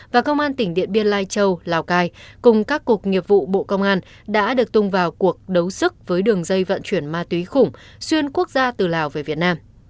và công an tỉnh điện biên lai châu lào cai cùng các cục nghiệp vụ bộ công an đã được tung vào cuộc đấu sức với đường dây vận chuyển ma túy khủng xuyên quốc gia từ lào về việt nam